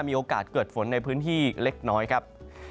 มีโอกาสเกิดฝนในพื้นที่เล็กน้อยครับ